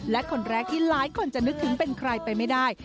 และคนแรกที่หลายคนจะนึกถึงเป็นใครไปไม่ได้